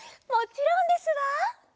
もちろんですわ。